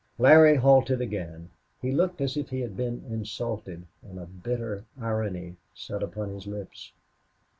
Larry halted again. He looked as if he had been insulted, and a bitter irony sat upon his lips.